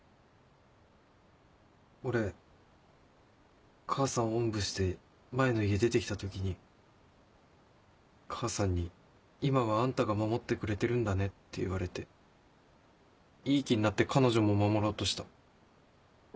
俺母さんをおんぶして前の家出て来た時に母さんに「今はあんたが守ってくれてるんだね」って言われていい気になって彼女も守ろうとした。